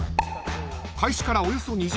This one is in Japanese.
［開始からおよそ２時間